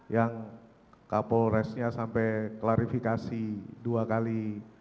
yang kapolresnya sampai klarifikasi dua kali